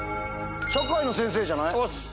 社会の先生じゃない？